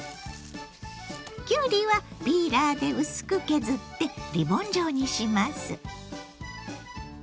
きゅうりはピーラーで薄く削ってリボン状にします。